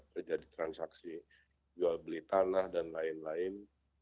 terjadi transaksi jual beli tanah dan lain lain